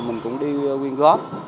mình cũng đi quyên góp